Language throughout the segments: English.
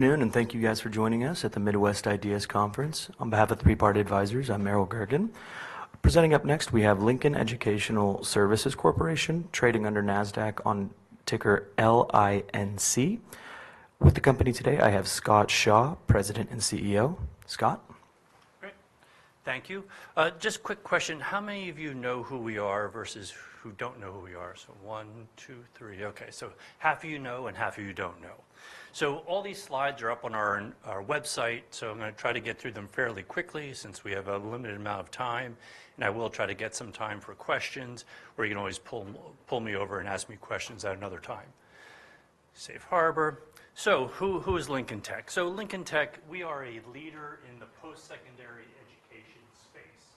Good afternoon, and thank you guys for joining us at the Midwest IDEAS Conference. On behalf of Three Part Advisors, I'm Meryl Gergen. Presenting up next, we have Lincoln Educational Services Corporation, trading under Nasdaq on ticker LINC. With the company today, I have Scott Shaw, President and CEO. Scott? Great. Thank you. Just quick question: How many of you know who we are versus who don't know who we are? So one, two, three. Okay, so half of you know, and half of you don't know. So all these slides are up on our website, so I'm gonna try to get through them fairly quickly since we have a limited amount of time, and I will try to get some time for questions, or you can always pull me over and ask me questions at another time. Safe Harbor. So who is Lincoln Tech? So Lincoln Tech, we are a leader in the post-secondary education space,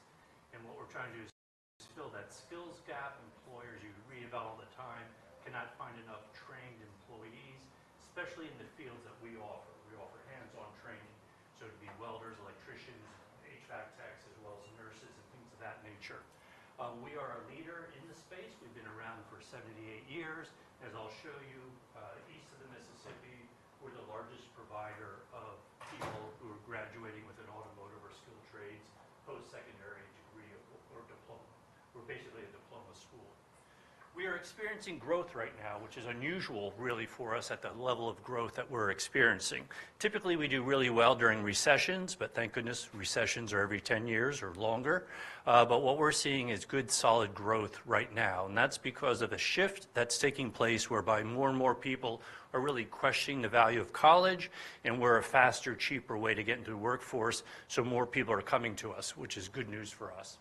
and what we're trying to do is fill that skills gap. Employers, you read about all the time, cannot find enough trained employees, especially in the fields that we offer. We offer hands-on training, so it'd be welders, electricians, HVAC techs, as well as nurses and things of that nature. We are a leader in the space. We've been around for 78 years. As I'll show you, east of the Mississippi, we're the largest provider of people who are graduating with an automotive or skilled trades post-secondary degree or diploma. We're basically a diploma school. We are experiencing growth right now, which is unusual, really, for us at the level of growth that we're experiencing. Typically, we do really well during recessions, but thank goodness, recessions are every 10 years or longer. But what we're seeing is good, solid growth right now, and that's because of a shift that's taking place whereby more and more people are really questioning the value of college, and we're a faster, cheaper way to get into the workforce, so more people are coming to us, which is good news for us.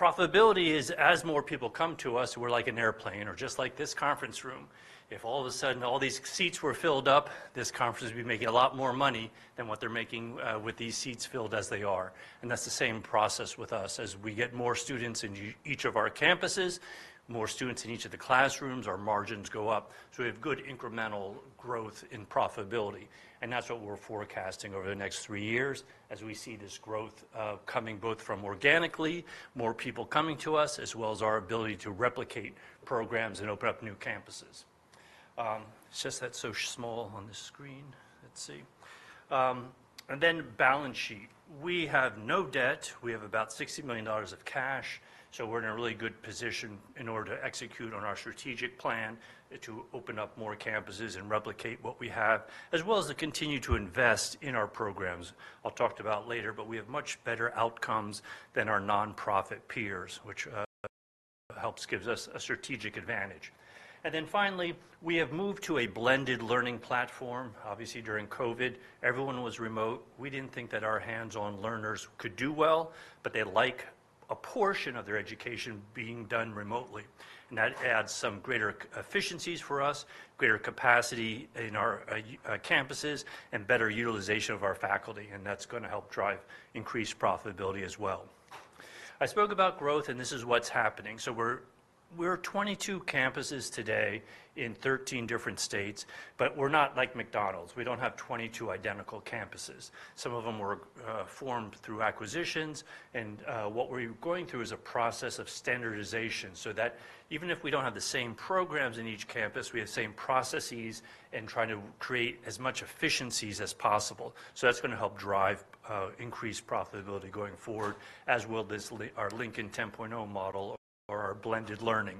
Profitability is, as more people come to us, we're like an airplane or just like this conference room. If all of a sudden, all these seats were filled up, this conference would be making a lot more money than what they're making, with these seats filled as they are, and that's the same process with us. As we get more students in each of our campuses, more students in each of the classrooms, our margins go up, so we have good incremental growth in profitability, and that's what we're forecasting over the next three years as we see this growth coming both from organically, more people coming to us, as well as our ability to replicate programs and open up new campuses. It's just that's so small on the screen. And then balance sheet. We have no debt. We have about $60 million of cash, so we're in a really good position in order to execute on our strategic plan to open up more campuses and replicate what we have, as well as to continue to invest in our programs. I'll talk about it later, but we have much better outcomes than our nonprofit peers, which helps give us a strategic advantage. Then finally, we have moved to a blended learning platform. Obviously, during COVID, everyone was remote. We didn't think that our hands-on learners could do well, but they like a portion of their education being done remotely, and that adds some greater efficiencies for us, greater capacity in our campuses, and better utilization of our faculty, and that's gonna help drive increased profitability as well. I spoke about growth, and this is what's happening. We're 22 campuses today in 13 different states, but we're not like McDonald's. We don't have 22 identical campuses. Some of them were formed through acquisitions, and what we're going through is a process of standardization so that even if we don't have the same programs in each campus, we have the same processes and trying to create as much efficiencies as possible. So that's gonna help drive increased profitability going forward, as will this our Lincoln 10.0 model or our blended learning.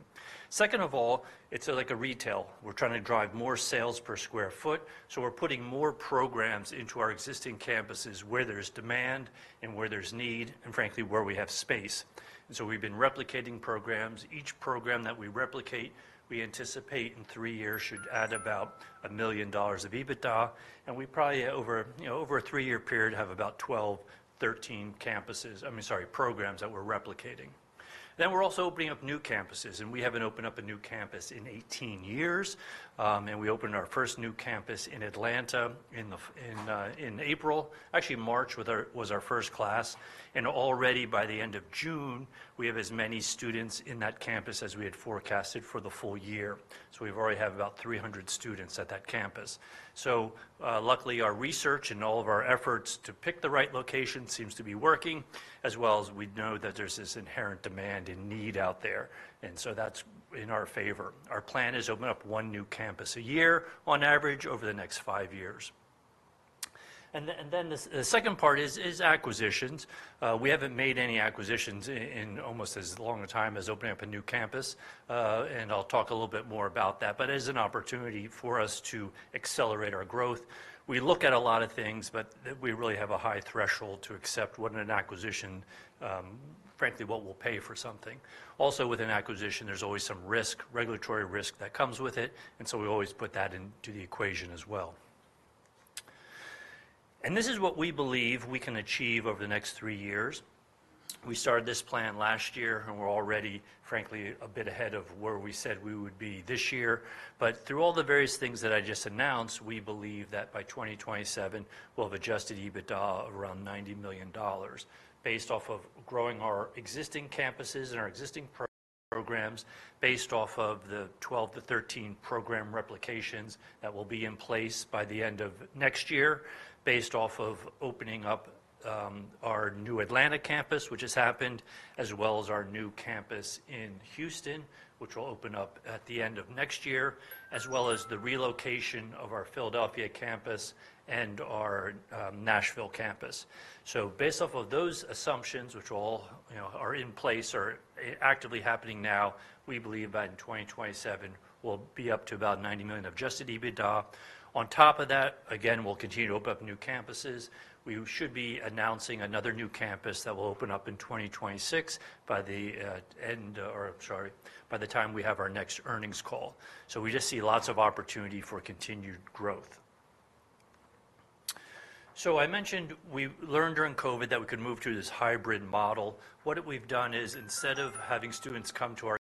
Second of all, it's like a retail. We're trying to drive more sales per sq ft, so we're putting more programs into our existing campuses where there's demand and where there's need, and frankly, where we have space. And so we've been replicating programs. Each program that we replicate, we anticipate in three years, should add about $1 million of EBITDA, and we probably, you know, over a three-year period, have about 12, 13 campuses. I mean, sorry, programs that we're replicating. Then we're also opening up new campuses, and we haven't opened up a new campus in 18 years. And we opened our first new campus in Atlanta in April. Actually, March was our first class, and already by the end of June, we have as many students in that campus as we had forecasted for the full year. So we've already have about 300 students at that campus. So, luckily, our research and all of our efforts to pick the right location seems to be working, as well as we know that there's this inherent demand and need out there, and so that's in our favor. Our plan is to open up one new campus a year on average over the next five years. The second part is acquisitions. We haven't made any acquisitions in almost as long a time as opening up a new campus. I'll talk a little bit more about that, but as an opportunity for us to accelerate our growth, we look at a lot of things, but we really have a high threshold to accept what an acquisition, frankly, what we'll pay for something. Also, with an acquisition, there's always some risk, regulatory risk that comes with it, and so we always put that into the equation as well. This is what we believe we can achieve over the next three years. We started this plan last year, and we're already, frankly, a bit ahead of where we said we would be this year. But through all the various things that I just announced, we believe that by twenty twenty-seven, we'll have Adjusted EBITDA of around $90 million based off of growing our existing campuses and our existing programs, based off of the 12-13 program replications that will be in place by the end of next year, based off of opening up our new Atlanta campus, which has happened, as well as our new campus in Houston, which will open up at the end of next year, as well as the relocation of our Philadelphia campus and our Nashville campus. So based off of those assumptions, which all, you know, are in place or actively happening now, we believe by twenty twenty-seven, we'll be up to about $90 million of Adjusted EBITDA. On top of that, again, we'll continue to open up new campuses. We should be announcing another new campus that will open up in 2026 by the time we have our next earnings call. So we just see lots of opportunity for continued growth. So I mentioned we learned during COVID that we could move to this hybrid model. What we've done is, instead of having students come to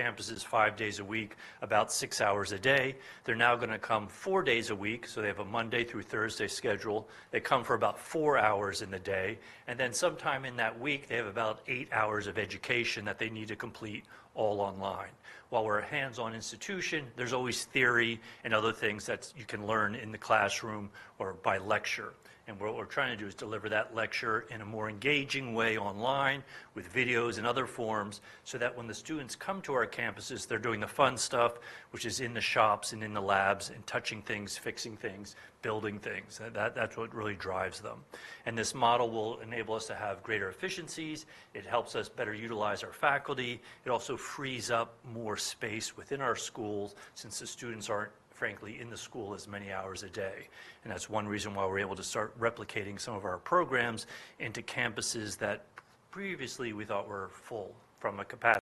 our campuses five days a week, about six hours a day, they're now gonna come four days a week, so they have a Monday through Thursday schedule. They come for about four hours in the day, and then sometime in that week, they have about eight hours of education that they need to complete all online. While we're a hands-on institution, there's always theory and other things that you can learn in the classroom or by lecture. And what we're trying to do is deliver that lecture in a more engaging way online, with videos and other forms, so that when the students come to our campuses, they're doing the fun stuff, which is in the shops and in the labs and touching things, fixing things, building things. That, that's what really drives them. And this model will enable us to have greater efficiencies. It helps us better utilize our faculty. It also frees up more space within our schools since the students aren't, frankly, in the school as many hours a day. And that's one reason why we're able to start replicating some of our programs into campuses that previously we thought were full from a capacity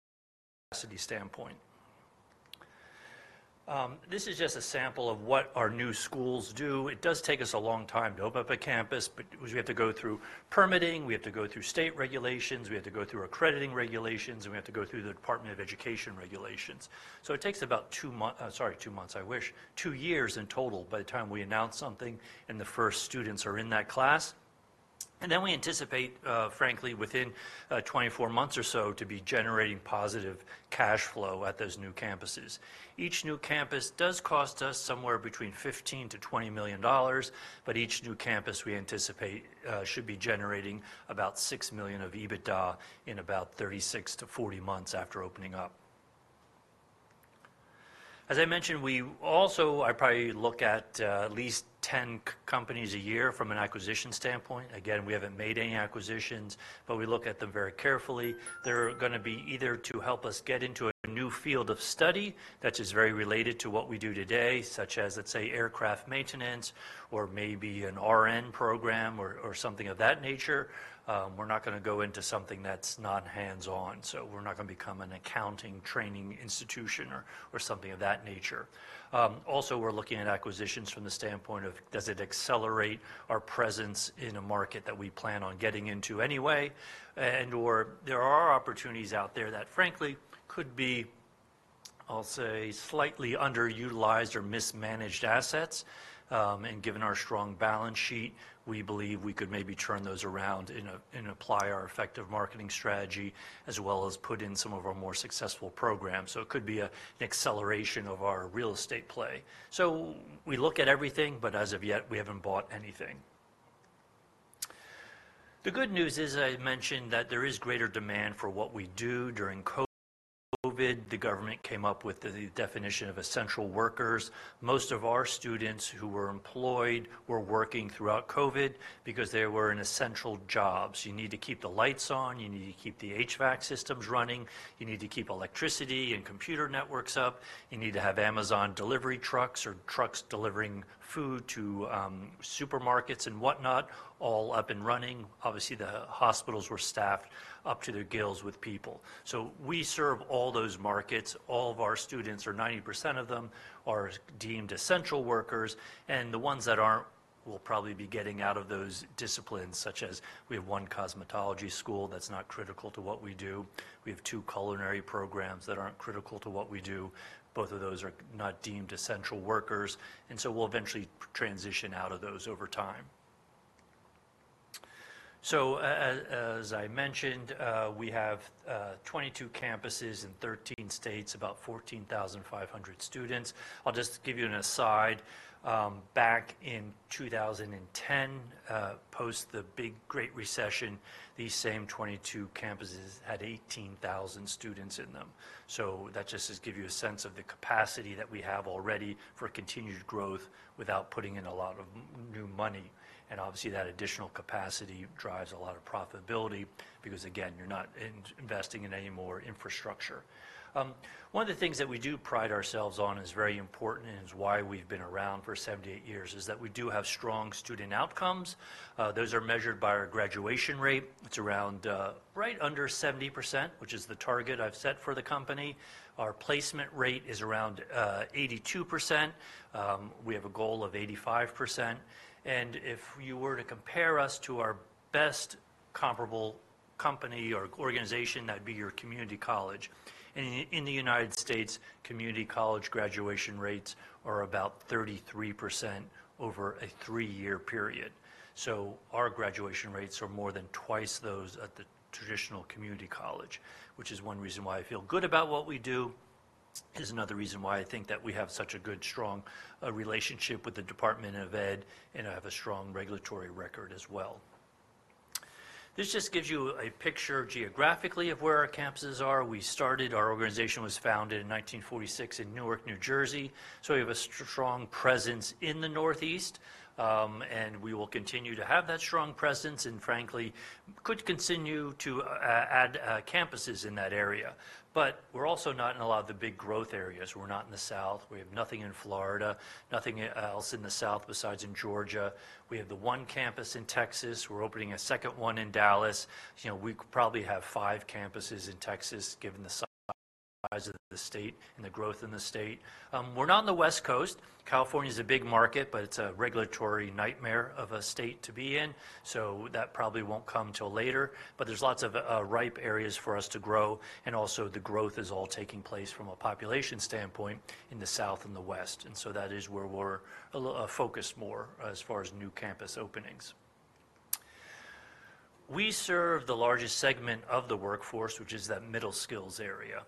standpoint. This is just a sample of what our new schools do. It does take us a long time to open up a campus, but we have to go through permitting, we have to go through state regulations, we have to go through accrediting regulations, and we have to go through the Department of Education regulations. So it takes about two months, sorry, two months, I wish. Two years in total by the time we announce something and the first students are in that class. And then we anticipate, frankly, within 24 months or so to be generating positive cash flow at those new campuses. Each new campus does cost us somewhere between $15-$20 million, but each new campus we anticipate should be generating about $6 million of EBITDA in about 36 to 40 months after opening up. As I mentioned, we also... I probably look at at least ten companies a year from an acquisition standpoint. Again, we haven't made any acquisitions, but we look at them very carefully. They're gonna be either to help us get into a new field of study that is very related to what we do today, such as, let's say, aircraft maintenance or maybe an RN program or, or something of that nature. We're not gonna go into something that's not hands-on, so we're not gonna become an accounting training institution or, or something of that nature. Also, we're looking at acquisitions from the standpoint of, does it accelerate our presence in a market that we plan on getting into anyway? And/or there are opportunities out there that, frankly, could be, I'll say, slightly underutilized or mismanaged assets. And given our strong balance sheet, we believe we could maybe turn those around and apply our effective marketing strategy, as well as put in some of our more successful programs. So it could be an acceleration of our real estate play. So we look at everything, but as of yet, we haven't bought anything. The good news is, I mentioned that there is greater demand for what we do. During COVID, the government came up with the definition of essential workers. Most of our students who were employed were working throughout COVID because they were in essential jobs. You need to keep the lights on, you need to keep the HVAC systems running, you need to keep electricity and computer networks up, you need to have Amazon delivery trucks or trucks delivering food to supermarkets and whatnot, all up and running. Obviously, the hospitals were staffed up to their gills with people. So we serve all those markets. All of our students, or 90% of them, are deemed essential workers, and the ones that aren't, we'll probably be getting out of those disciplines, such as we have one cosmetology school that's not critical to what we do. We have two culinary programs that aren't critical to what we do. Both of those are not deemed essential workers, and so we'll eventually transition out of those over time. So as I mentioned, we have 22 campuses in 13 states, about 14,500 students. I'll just give you an aside. Back in 2010, post the big Great Recession, these same 22 campuses had 18,000 students in them. So that just is give you a sense of the capacity that we have already for continued growth without putting in a lot of new money. And obviously, that additional capacity drives a lot of profitability because, again, you're not investing in any more infrastructure. One of the things that we do pride ourselves on is very important, and it's why we've been around for 78 years, is that we do have strong student outcomes. Those are measured by our graduation rate. It's around right under 70%, which is the target I've set for the company. Our placement rate is around 82%. We have a goal of 85%, and if you were to compare us to our best comparable company or organization, that'd be your community college. In the United States, community college graduation rates are about 33% over a three-year period. So our graduation rates are more than twice those at the traditional community college, which is one reason why I feel good about what we do. This is another reason why I think that we have such a good, strong relationship with the Department of Ed, and have a strong regulatory record as well. This just gives you a picture geographically of where our campuses are. We started. Our organization was founded in nineteen forty-six in Newark, New Jersey, so we have a strong presence in the Northeast. And we will continue to have that strong presence, and frankly, could continue to add campuses in that area. But we're also not in a lot of the big growth areas. We're not in the South. We have nothing in Florida, nothing else in the South, besides in Georgia. We have the one campus in Texas. We're opening a second one in Dallas. You know, we could probably have five campuses in Texas, given the size of the state and the growth in the state. We're not on the West Coast. California's a big market, but it's a regulatory nightmare of a state to be in, so that probably won't come till later. But there's lots of ripe areas for us to grow, and also the growth is all taking place, from a population standpoint, in the South and the West, and so that is where we're focused more, as far as new campus openings. We serve the largest segment of the workforce, which is that middle skills area.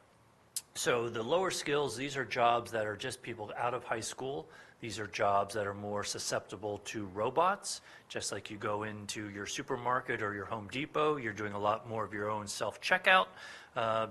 So the lower skills, these are jobs that are just people out of high school. These are jobs that are more susceptible to robots. Just like you go into your supermarket or your Home Depot, you're doing a lot more of your own self-checkout,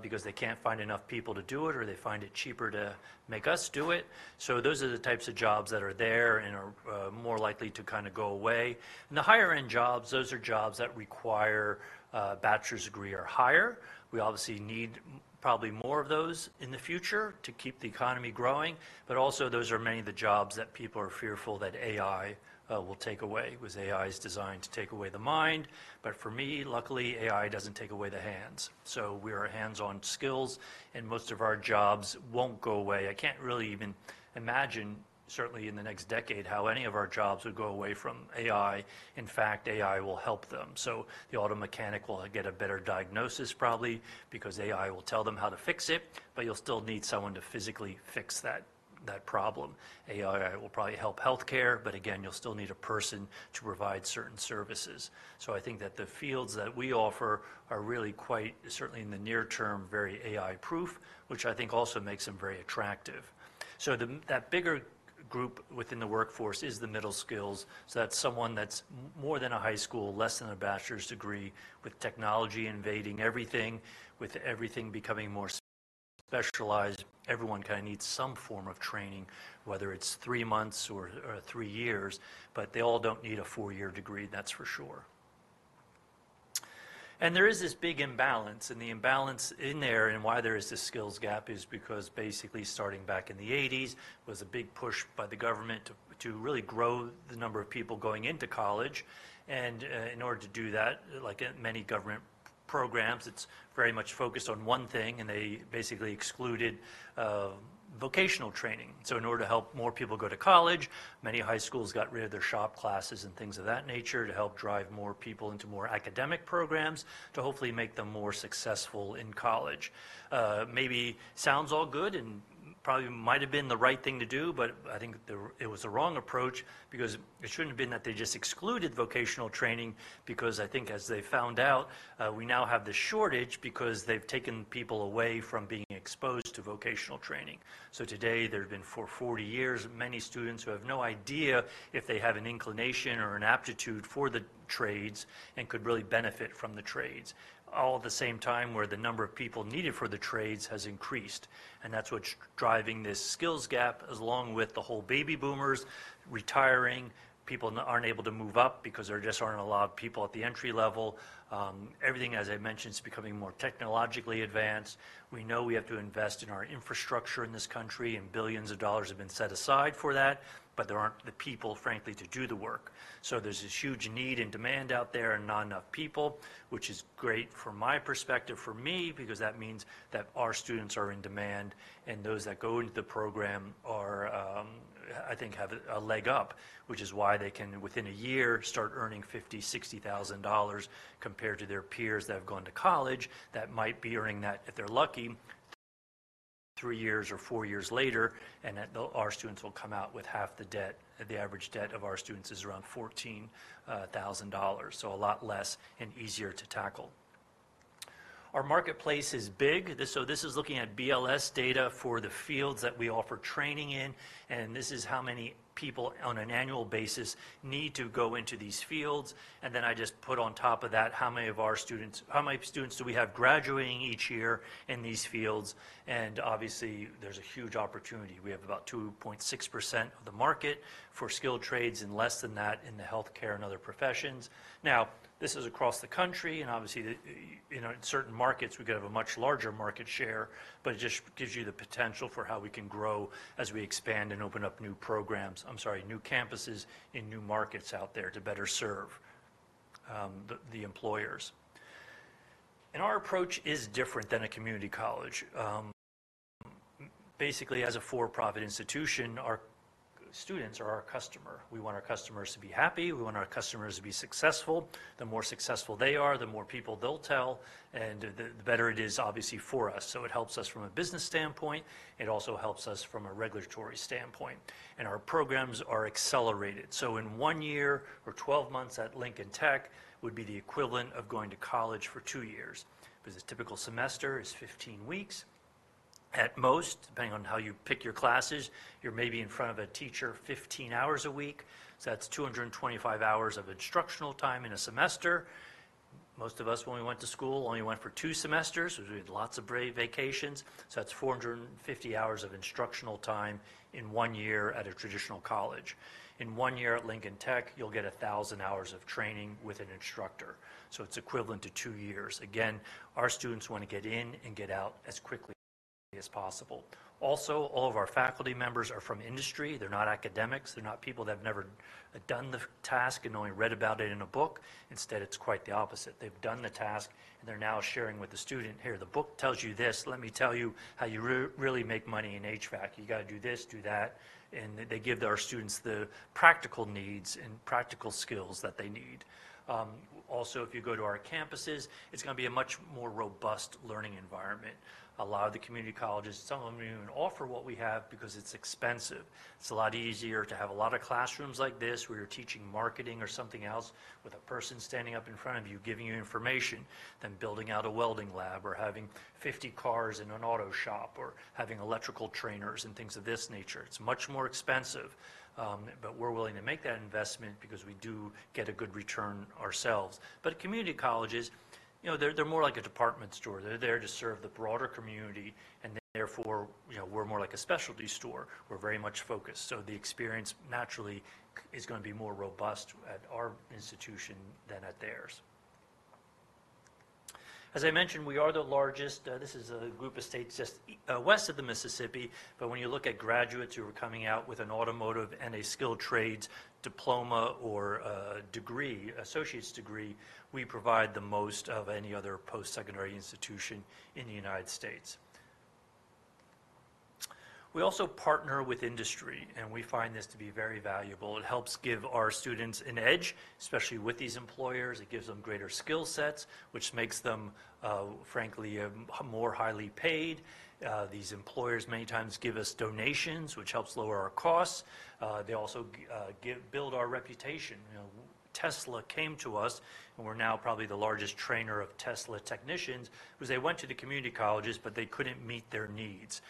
because they can't find enough people to do it, or they find it cheaper to make us do it. So those are the types of jobs that are there and are more likely to kinda go away. And the higher end jobs, those are jobs that require a bachelor's degree or higher. We obviously need probably more of those in the future to keep the economy growing. But also, those are many of the jobs that people are fearful that AI will take away, because AI is designed to take away the mind. But for me, luckily, AI doesn't take away the hands, so we are hands-on skills, and most of our jobs won't go away. I can't really even imagine, certainly in the next decade, how any of our jobs would go away from AI. In fact, AI will help them. So the auto mechanic will get a better diagnosis, probably, because AI will tell them how to fix it, but you'll still need someone to physically fix that, that problem. AI will probably help healthcare, but again, you'll still need a person to provide certain services. So I think that the fields that we offer are really quite, certainly in the near term, very AI-proof, which I think also makes them very attractive. So that bigger group within the workforce is the middle skills. So that's someone that's more than a high school, less than a bachelor's degree. With technology invading everything, with everything becoming more specialized, everyone kinda needs some form of training, whether it's three months or three years, but they all don't need a four-year degree, that's for sure. And there is this big imbalance, and the imbalance in there, and why there is this skills gap, is because basically, starting back in the eighties, was a big push by the government to really grow the number of people going into college. And in order to do that, like in many government programs, it's very much focused on one thing, and they basically excluded vocational training. So in order to help more people go to college, many high schools got rid of their shop classes and things of that nature, to help drive more people into more academic programs, to hopefully make them more successful in college. Maybe sounds all good and probably might have been the right thing to do, but I think it was the wrong approach, because it shouldn't have been that they just excluded vocational training, because I think, as they found out, we now have this shortage because they've taken people away from being exposed to vocational training. So today, there have been for 40 years, many students who have no idea if they have an inclination or an aptitude for the trades and could really benefit from the trades. All at the same time, where the number of people needed for the trades has increased, and that's what's driving this skills gap, along with the whole Baby Boomers retiring. People aren't able to move up because there just aren't a lot of people at the entry level. Everything, as I mentioned, is becoming more technologically advanced. We know we have to invest in our infrastructure in this country, and billions of dollars have been set aside for that, but there aren't the people, frankly, to do the work. So there's this huge need and demand out there, and not enough people, which is great from my perspective, for me, because that means that our students are in demand, and those that go into the program are, I think, have a leg up. Which is why they can, within a year, start earning $50,000-$60,000, compared to their peers that have gone to college, that might be earning that, if they're lucky, three years or four years later, and our students will come out with half the debt. The average debt of our students is around $14,000, so a lot less and easier to tackle. Our marketplace is big. This, so this is looking at BLS data for the fields that we offer training in, and this is how many people, on an annual basis, need to go into these fields, and then I just put on top of that, how many of our students, how many students do we have graduating each year in these fields? Obviously, there's a huge opportunity. We have about 2.6% of the market for skilled trades, and less than that in the healthcare and other professions. Now, this is across the country, and obviously, the you know, in certain markets, we could have a much larger market share, but it just gives you the potential for how we can grow as we expand and open up new programs... I'm sorry, new campuses in new markets out there to better serve the employers. And our approach is different than a community college. Basically, as a for-profit institution, our students are our customer. We want our customers to be happy. We want our customers to be successful. The more successful they are, the more people they'll tell, and the better it is, obviously, for us. So it helps us from a business standpoint, it also helps us from a regulatory standpoint. Our programs are accelerated, so in one year or 12 months at Lincoln Tech, would be the equivalent of going to college for two years. Because a typical semester is 15 weeks. At most, depending on how you pick your classes, you're maybe in front of a teacher 15 hours a week. So that's 225 hours of instructional time in a semester. Most of us, when we went to school, only went for two semesters, which had lots of breaks, vacations. So that's 450 hours of instructional time in one year at a traditional college. In one year at Lincoln Tech, you'll get 1,000 hours of training with an instructor, so it's equivalent to two years. Again, our students wanna get in and get out as quickly as possible. Also, all of our faculty members are from industry. They're not academics. They're not people that have never done the task and only read about it in a book. Instead, it's quite the opposite. They've done the task, and they're now sharing with the student: "Here, the book tells you this. Let me tell you how you really make money in HVAC. You gotta do this, do that." And they give their students the practical needs and practical skills that they need. Also, if you go to our campuses, it's gonna be a much more robust learning environment. A lot of the community colleges, some of them don't even offer what we have because it's expensive. It's a lot easier to have a lot of classrooms like this, where you're teaching marketing or something else with a person standing up in front of you, giving you information, than building out a welding lab or having 50 cars in an auto shop or having electrical trainers and things of this nature. It's much more expensive, but we're willing to make that investment because we do get a good return ourselves. But community colleges, you know, they're, they're more like a department store. They're there to serve the broader community, and therefore, you know, we're more like a specialty store. We're very much focused, so the experience naturally is gonna be more robust at our institution than at theirs. As I mentioned, we are the largest... This is a group of states just west of the Mississippi, but when you look at graduates who are coming out with an automotive and a skilled trades diploma or a degree, associate's degree, we provide the most of any other post-secondary institution in the United States. We also partner with industry, and we find this to be very valuable. It helps give our students an edge, especially with these employers. It gives them greater skill sets, which makes them, frankly, more highly paid. These employers many times give us donations, which helps lower our costs. They also build our reputation. You know, Tesla came to us, and we're now probably the largest trainer of Tesla technicians, 'cause they went to the community colleges, but they couldn't meet their needs.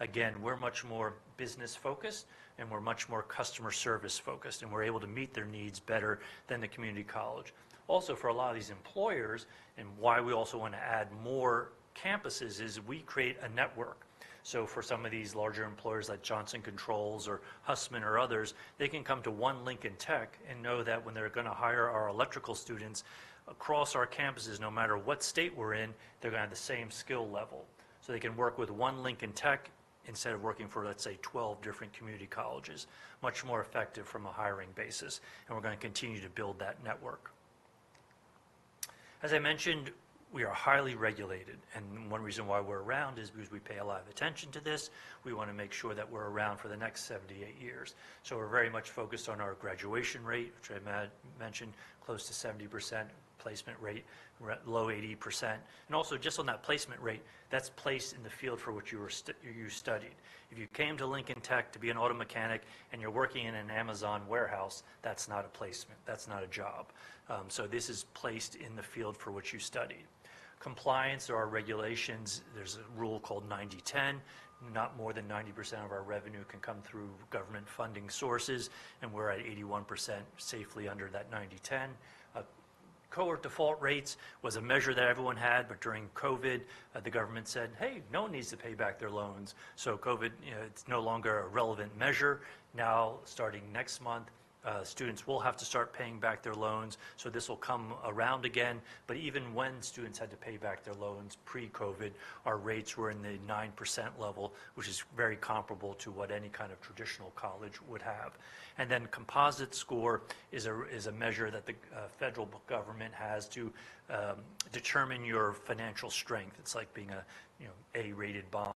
Again, we're much more business-focused, and we're much more customer service-focused, and we're able to meet their needs better than the community college. Also, for a lot of these employers, and why we also want to add more campuses, is we create a network. So for some of these larger employers, like Johnson Controls or Hussmann or others, they can come to one Lincoln Tech and know that when they're gonna hire our electrical students across our campuses, no matter what state we're in, they're gonna have the same skill level. So they can work with one Lincoln Tech instead of working for, let's say, 12 different community colleges. Much more effective from a hiring basis, and we're gonna continue to build that network. As I mentioned, we are highly regulated, and one reason why we're around is because we pay a lot of attention to this. We wanna make sure that we're around for the next 78 years, so we're very much focused on our graduation rate, which I mentioned, close to 70%, placement rate, we're at low 80%. And also, just on that placement rate, that's placed in the field for which you studied. If you came to Lincoln Tech to be an auto mechanic, and you're working in an Amazon warehouse, that's not a placement. That's not a job, so this is placed in the field for which you studied. Compliance, there are regulations. There's a rule called 90/10. Not more than 90% of our revenue can come through government funding sources, and we're at 81%, safely under that 90/10. Cohort default rates was a measure that everyone had, but during COVID, the government said, "Hey, no one needs to pay back their loans." So COVID, you know, it's no longer a relevant measure. Now, starting next month, students will have to start paying back their loans, so this will come around again. But even when students had to pay back their loans pre-COVID, our rates were in the 9% level, which is very comparable to what any kind of traditional college would have. And then composite score is a measure that the federal government has to determine your financial strength. It's like being a, you know, A-rated bond.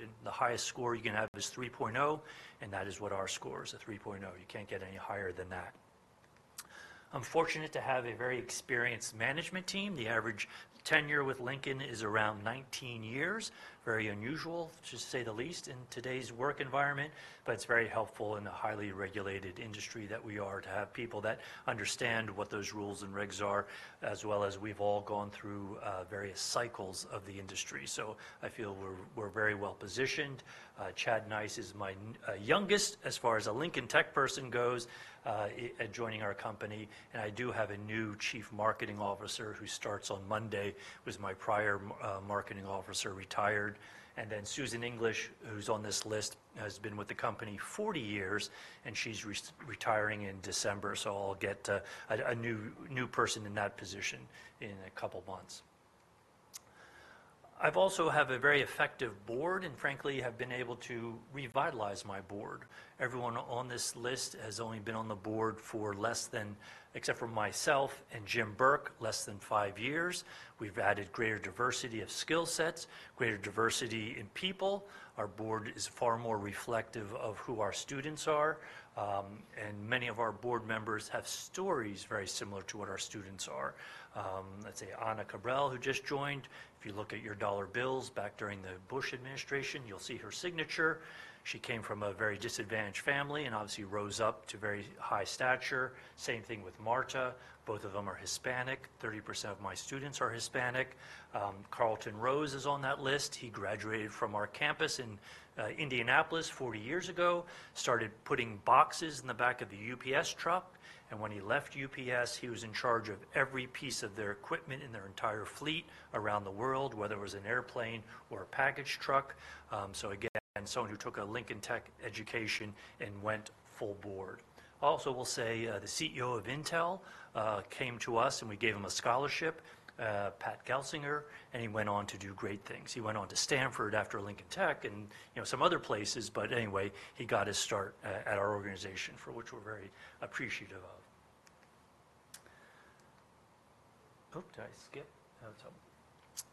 And the highest score you can have is three point oh, and that is what our score is, a three point oh. You can't get any higher than that. I'm fortunate to have a very experienced management team. The average tenure with Lincoln is around nineteen years. Very unusual, to say the least, in today's work environment, but it's very helpful in a highly regulated industry that we are to have people that understand what those rules and regs are, as well as we've all gone through various cycles of the industry. So I feel we're very well-positioned. Chad Nyce is my youngest, as far as a Lincoln Tech person goes, at joining our company, and I do have a new chief marketing officer, who starts on Monday, because my prior marketing officer retired. Susan English, who's on this list, has been with the company 40 years, and she's retiring in December, so I'll get a new person in that position in a couple months. I also have a very effective board and, frankly, have been able to revitalize my board. Everyone on this list has only been on the board for less than, except for myself and Jim Burke, less than 5 years. We've added greater diversity of skill sets, greater diversity in people. Our board is far more reflective of who our students are. Many of our board members have stories very similar to what our students are. Let's say Anna Cabral, who just joined. If you look at your dollar bills back during the Bush administration, you'll see her signature. She came from a very disadvantaged family, and obviously rose up to very high stature. Same thing with Marta. Both of them are Hispanic. 30% of my students are Hispanic. Carlton Rose is on that list. He graduated from our campus in Indianapolis 40 years ago. Started putting boxes in the back of the UPS truck, and when he left UPS, he was in charge of every piece of their equipment in their entire fleet around the world, whether it was an airplane or a package truck. So again, someone who took a Lincoln Tech education and went full board. Also, we'll say, the CEO of Intel came to us, and we gave him a scholarship, Pat Gelsinger, and he went on to do great things. He went on to Stanford after Lincoln Tech and, you know, some other places, but anyway, he got his start at our organization, for which we're very appreciative of. Oh, did I skip?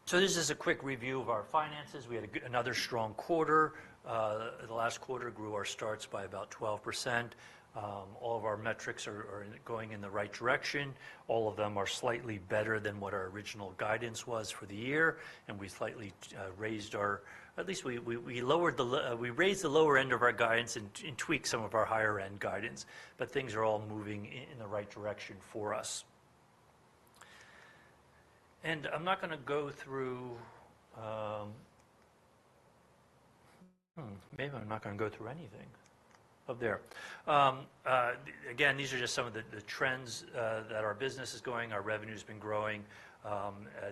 So this is a quick review of our finances. We had another strong quarter. The last quarter grew our starts by about 12%. All of our metrics are going in the right direction. All of them are slightly better than what our original guidance was for the year, and we slightly raised our... At least we raised the lower end of our guidance and tweaked some of our higher-end guidance, but things are all moving in the right direction for us. And I'm not gonna go through anything. Oh, there. Again, these are just some of the trends that our business is going. Our revenue's been growing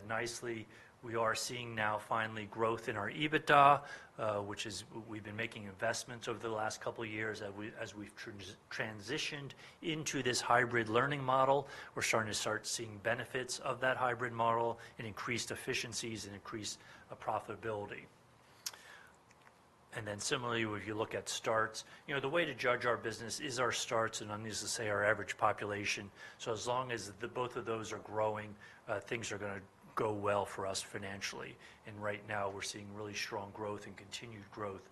nicely. We are seeing now, finally, growth in our EBITDA, which is we've been making investments over the last couple of years, as we've transitioned into this hybrid learning model. We're starting to see benefits of that hybrid model and increased efficiencies and increased profitability. And then similarly, if you look at starts, you know, the way to judge our business is our starts, and needless to say, our average population. So as long as both of those are growing, things are gonna go well for us financially. And right now, we're seeing really strong growth and continued growth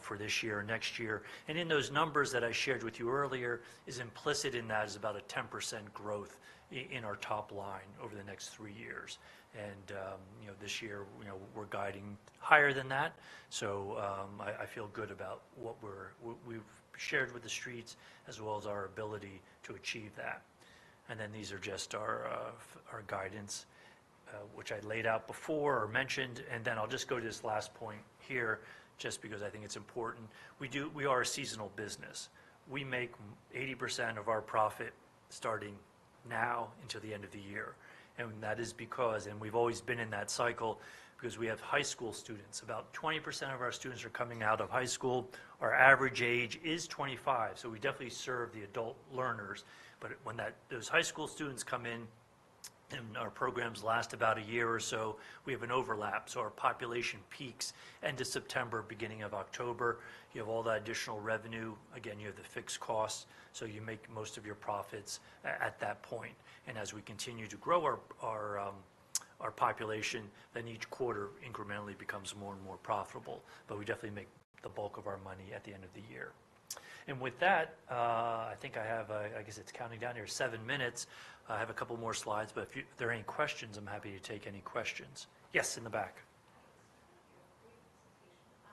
for this year and next year. And in those numbers that I shared with you earlier, is implicit in that is about a 10% growth in our top line over the next three years. And, you know, this year, you know, we're guiding higher than that. So, I feel good about what we've shared with the streets, as well as our ability to achieve that. And then, these are just our guidance, which I laid out before or mentioned, and then I'll just go to this last point here, just because I think it's important. We are a seasonal business. We make 80% of our profit starting now until the end of the year, and that is because, and we've always been in that cycle, because we have high school students. About 20% of our students are coming out of high school. Our average age is twenty-five, so we definitely serve the adult learners. But when those high school students come in, and our programs last about a year or so, we have an overlap. So our population peaks end of September, beginning of October. You have all that additional revenue. Again, you have the fixed costs, so you make most of your profits at that point. And as we continue to grow our population, then each quarter incrementally becomes more and more profitable, but we definitely make the bulk of our money at the end of the year. And with that, I think I have, I guess it's counting down here, seven minutes. I have a couple more slides, but if there are any questions, I'm happy to take any questions. Yes, in the back. Thanks.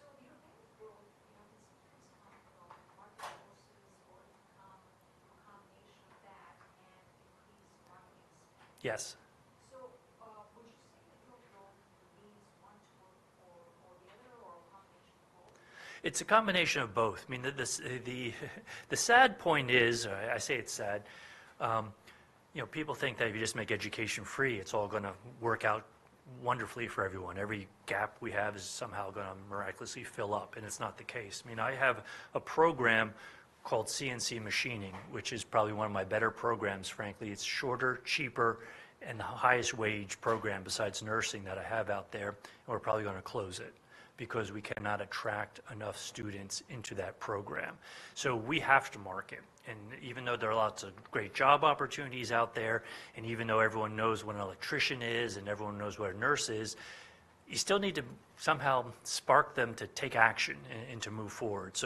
Great presentation. Actually, so your main growth, you know, does it come from marketing services or a combination of that and increased markets? Yes. So, would you say that your growth means one tool or the other or a combination of both? It's a combination of both. I mean, the sad point is, I say it's sad, you know, people think that if you just make education free, it's all gonna work out wonderfully for everyone. Every gap we have is somehow gonna miraculously fill up, and it's not the case. I mean, I have a program called CNC Machining, which is probably one of my better programs, frankly. It's shorter, cheaper, and the highest wage program besides nursing that I have out there, and we're probably gonna close it because we cannot attract enough students into that program. We have to market, and even though there are lots of great job opportunities out there, and even though everyone knows what an electrician is, and everyone knows what a nurse is, you still need to somehow spark them to take action and to move forward.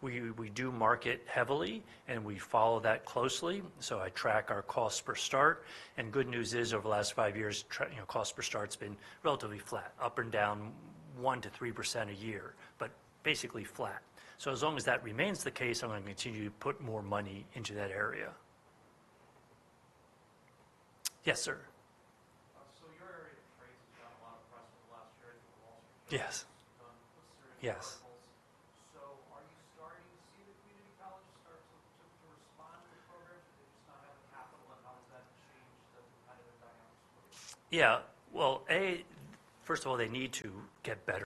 We do market heavily, and we follow that closely, so I track our cost per start. Good news is, over the last five years, you know, cost per start's been relatively flat, up and down 1% to 3% a year, but basically flat. As long as that remains the case, I'm gonna continue to put more money into that area. Yes, sir. So your area of trades has got a lot of press in the last year in the Wall Street Journal. Yes. Certain articles. Yes. So are you starting to see the community colleges start to respond to the program? Do they just not have the capital, and how does that change the competitive dynamics for you? Yeah, well, A, first of all, they need to get better...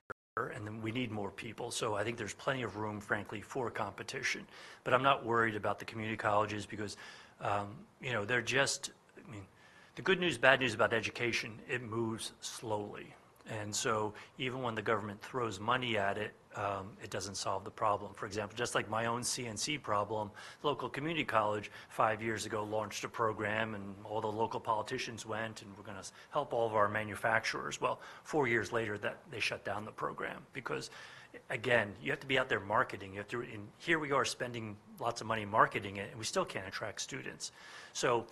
and then we need more people, so I think there's plenty of room, frankly, for competition. But I'm not worried about the community colleges because, you know, they're just, I mean, the good news, bad news about education, it moves slowly, and so even when the government throws money at it, it doesn't solve the problem. For example, just like my own CNC problem, local community college, five years ago, launched a program, and all the local politicians went, and we're gonna help all of our manufacturers, well, four years later, they shut down the program because, again, you have to be out there marketing. You have to, and here we are spending lots of money marketing it, and we still can't attract students. So,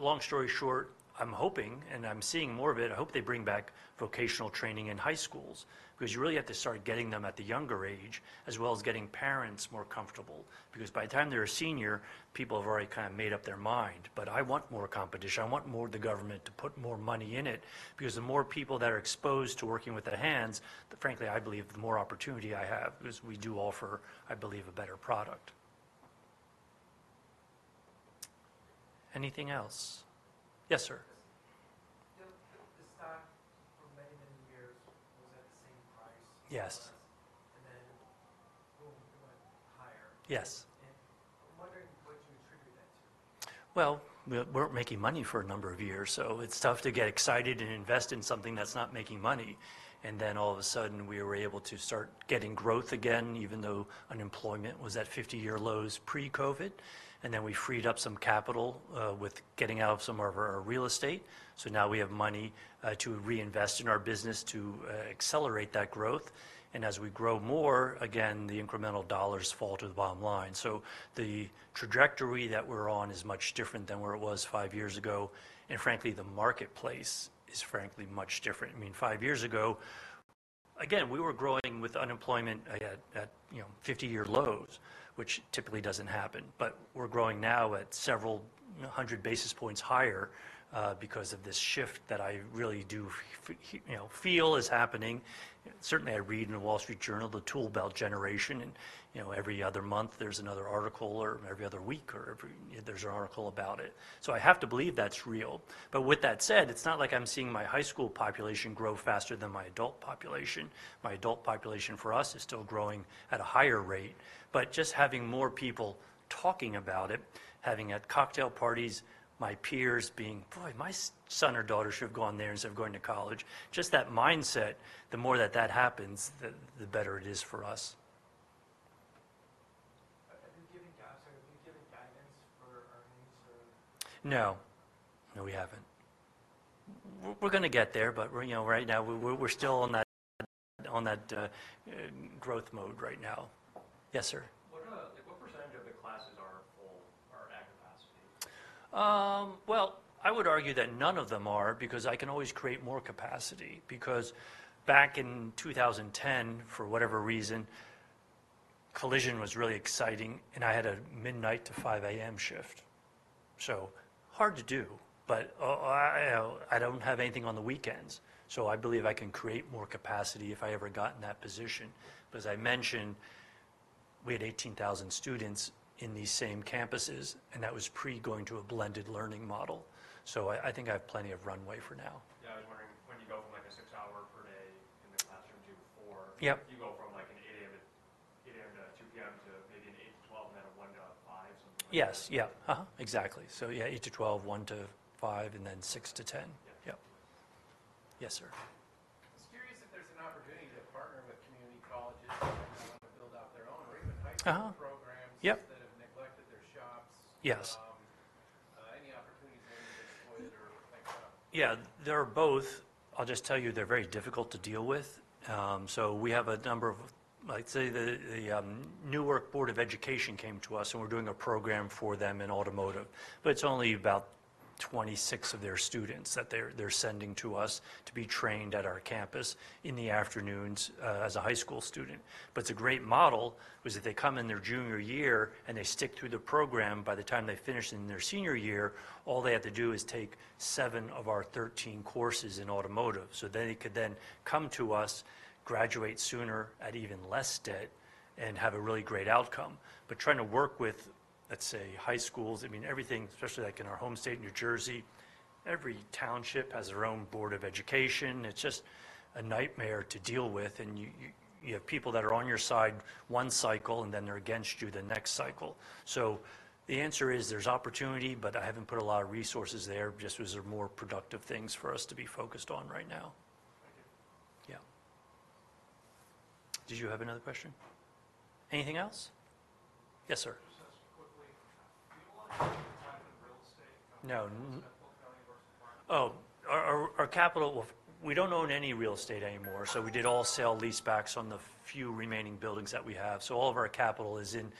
long story short, I'm hoping, and I'm seeing more of it. I hope they bring back vocational training in high schools because you really have to start getting them at the younger age, as well as getting parents more comfortable. Because by the time they're a senior, people have already kind of made up their mind. But I want more competition. I want more of the government to put more money in it because the more people that are exposed to working with their hands, frankly, I believe, the more opportunity I have because we do offer, I believe, a better product. Anything else? Yes, sir. The stock for many, many years was at the same price. Yes. And then, boom, it went higher. Yes. I'm wondering, what do you attribute that to? Well, we weren't making money for a number of years, so it's tough to get excited and invest in something that's not making money. And then, all of a sudden, we were able to start getting growth again, even though unemployment was at fifty-year lows pre-COVID. And then, we freed up some capital with getting out of some of our real estate. So now we have money to reinvest in our business to accelerate that growth. And as we grow more, again, the incremental dollars fall to the bottom line. So the trajectory that we're on is much different than where it was five years ago, and frankly, the marketplace is frankly much different. I mean, five years ago, again, we were growing with unemployment at you know, fifty-year lows, which typically doesn't happen. But we're growing now at several, you know, hundred basis points higher, because of this shift that I really do feel is happening. Certainly, I read in The Wall Street Journal, the Toolbelt Generation, and, you know, every other month, there's another article, or every other week, there's an article about it. So I have to believe that's real. But with that said, it's not like I'm seeing my high school population grow faster than my adult population. My adult population for us is still growing at a higher rate. But just having more people talking about it, having it at cocktail parties, my peers being, "Boy, my son or daughter should have gone there instead of going to college." Just that mindset, the more that that happens, the better it is for us. Sorry, have you given guidance for earnings or? No. No, we haven't. We're gonna get there, but you know, right now, we're still on that growth mode right now. Yes, sir. What, like what percentage of the classes are full or at capacity? Well, I would argue that none of them are, because I can always create more capacity. Because back in 2010, for whatever reason, collision was really exciting, and I had a midnight to 5:00 A.M. shift. So hard to do, but, you know, I don't have anything on the weekends, so I believe I can create more capacity if I ever got in that position. But as I mentioned, we had 18,000 students in these same campuses, and that was pre-going to a blended learning model, so I think I have plenty of runway for now. Yeah, I was wondering, when you go from, like, a six hour per day in the classroom to four- Yep. You go from, like, an 8:00 A.M. to 2:00 P.M. to maybe an 8:00 to 12:00, and then a 1:00 to 5:00 something like that. Yes, yeah. Uh-huh, exactly. So yeah, 8 to 12, 1 to 5, and then 6 to 10. Yeah. Yep. Yes, sir. Just curious if there's an opportunity to partner with community colleges to build out their own or even? High school programs that have neglected their shops. Yes. Any opportunities there you can exploit or things like that? Yeah, there are both. I'll just tell you, they're very difficult to deal with. So we have a number of... I'd say, the Newark Board of Education came to us, and we're doing a program for them in automotive. But it's only about 26 of their students that they're sending to us to be trained at our campus in the afternoons, as a high school student. But it's a great model, because if they come in their junior year, and they stick to the program, by the time they finish in their senior year, all they have to do is take seven of our 13 courses in automotive. So then they could then come to us, graduate sooner at even less debt, and have a really great outcome. But trying to work with, let's say, high schools, I mean, everything, especially like in our home state, New Jersey, every township has their own board of education. It's just a nightmare to deal with, and you have people that are on your side one cycle, and then they're against you the next cycle. So the answer is, there's opportunity, but I haven't put a lot of resources there, just because there are more productive things for us to be focused on right now. Thank you. Yeah. Did you have another question? Anything else? Yes, sir. Just quickly, do you own any type of real estate? No. Or does that full value of your requirements? Oh, our capital. We don't own any real estate anymore, so we did all sale leasebacks on the few remaining buildings that we have. So all of our capital is in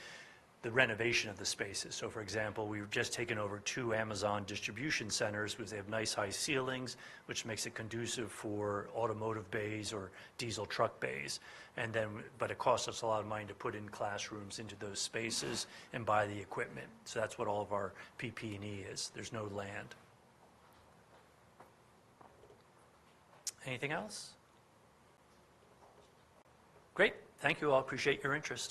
the renovation of the spaces. So for example, we've just taken over two Amazon distribution centers, which they have nice high ceilings, which makes it conducive for automotive bays or diesel truck bays. And then, but it costs us a lot of money to put in classrooms into those spaces and buy the equipment. So that's what all of our PP&E is. There's no land. Anything else? Great, thank you all. Appreciate your interest.